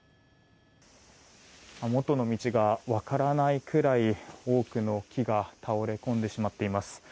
元の道が分からないくらい多くの木が倒れ込んでしまっています。